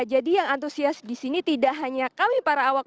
jadi yang antusias di sini tidak hanya kami para awak